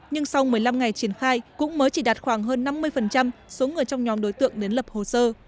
nhưng sau một mươi năm ngày triển khai cũng mới chỉ đạt khoảng hơn năm mươi số người trong nhóm đối tượng đến lập hồ sơ